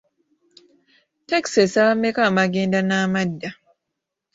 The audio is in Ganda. Ttakisi esaba mmeka amagenda n’amadda?